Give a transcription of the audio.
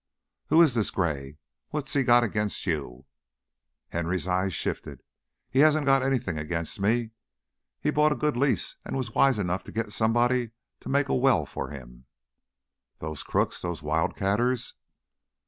"Who is this Gray? What's he got against you?" Henry's eyes shifted. "Has he got anything against me? He bought a good lease and was wise enough to get somebody to make a well for him " "Those crooks! Those wildcatters!"